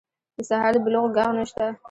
د سهار د بلوغ ږغ نشته